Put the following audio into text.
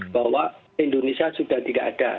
bahwa indonesia sudah tidak ada